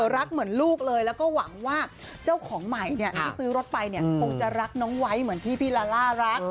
รักเหมือนลูกเลยแล้วก็หวังว่าเจ้าของใหม่เนี่ยที่ซื้อรถไปเนี่ยคงจะรักน้องไว้เหมือนที่พี่ลาล่ารัก